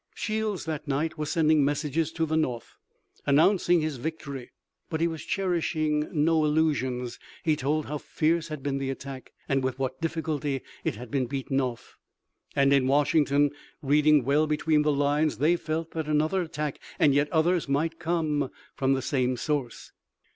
Shields that night was sending messages to the North announcing his victory, but he was cherishing no illusions. He told how fierce had been the attack, and with what difficulty it had been beaten off, and in Washington, reading well between the lines they felt that another attack and yet others might come from the same source.